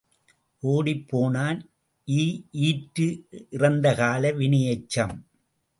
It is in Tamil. ஓடிப் போனான் இ ஈற்று இறந்தகால வினையெச்சம்.